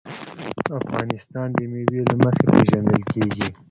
افغانستان د مېوې له مخې پېژندل کېږي.